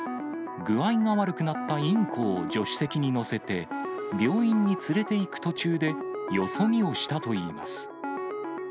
具合が悪くなったインコを助手席に乗せて、病院に連れて行く途中で、よそ見をしたといいます。